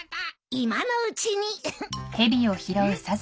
今のうちに。